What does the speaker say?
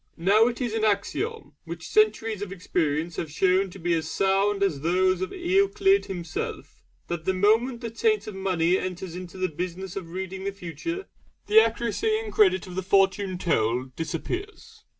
Now it is an axiom, which centuries of experience have shown to be as sound as those of Euclid himself, that the moment the taint of money enters into the business of reading the Future the accuracy and credit of the Fortune told disappears.